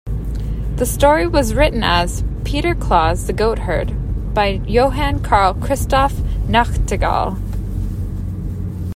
The story was written as "Peter Klaus the Goatherd" by Johann Karl Christoph Nachtigal.